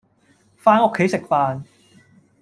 返屋企食飯